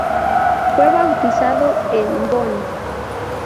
Fue bautizado en Bonn.